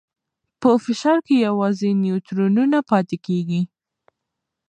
په فشار کې یوازې نیوترونونه پاتې کېږي.